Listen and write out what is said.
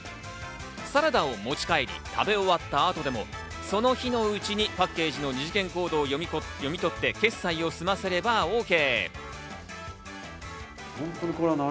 サラダを持ち帰り食べ終わった後でも、その日のうちにパッケージの二次元コードを読み取って決済を済ませればＯＫ。